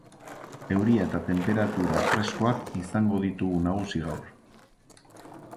Euria eta tenperatura freskoak izango ditugu nagusi gaur.